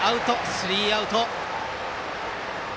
スリーアウト。